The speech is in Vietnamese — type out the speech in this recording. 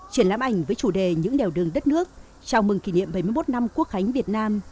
triển lãm ảnh với chủ đề những đèo đường đất nước chào mừng kỷ niệm bảy mươi một năm quốc khánh việt nam